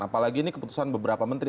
apalagi ini keputusan beberapa menteri